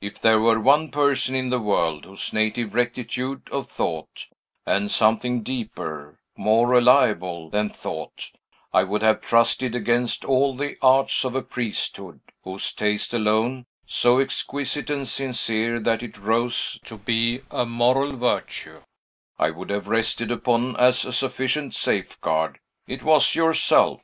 If there were one person in the world whose native rectitude of thought, and something deeper, more reliable, than thought, I would have trusted against all the arts of a priesthood, whose taste alone, so exquisite and sincere that it rose to be a moral virtue, I would have rested upon as a sufficient safeguard, it was yourself!"